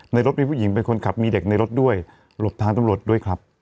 ในรถมีผู้หญิงเป็นคนขับมีเด็กในรถด้วยหลบทางตำรวจด้วยครับ